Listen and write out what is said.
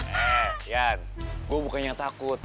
eh jan gue bukannya takut